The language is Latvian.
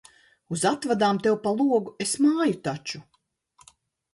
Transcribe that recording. Uz atvadām tev pa logu es māju taču.